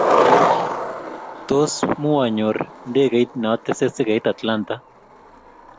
Tos muanyoru ndeget ne atese sikeit Atlanta?